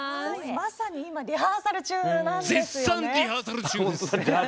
まさに今リハーサル中なんですよね。